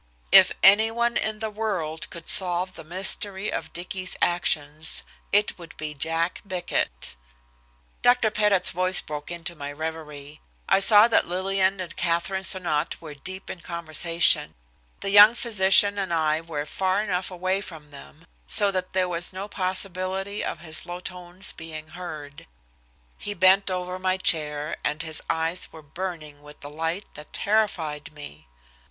If anyone in the world could solve the mystery of Dicky's actions, it would be Jack Bickett. Dr. Pettit's voice broke into my reverie. I saw that Lillian and Katherine Sonnot were deep in conversation. The young physician and I were far enough away from them so that there was no possibility of his low tones being heard. He bent over my chair, and his eyes were burning with a light that terrified me.